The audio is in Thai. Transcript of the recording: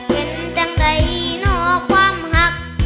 เห็นจังใดนอกความหัก